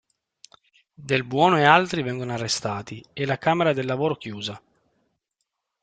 Del Buono e altri vengono arrestati e la Camera del Lavoro chiusa.